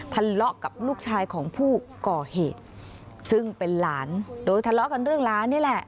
ทะเลาะกับลูกชายของผู้ก่อเหตุซึ่งเป็นหลานโดยทะเลาะกันเรื่องร้านนี่แหละ